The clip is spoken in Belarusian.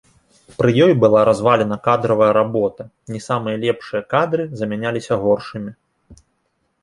Пры ёй была развалена кадравая работа, не самыя лепшыя кадры замяняліся горшымі.